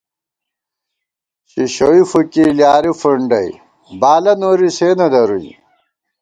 شِشوئی فُوکی لیارِی فُونڈَئی، بالہ نوری سے نہ درُوئی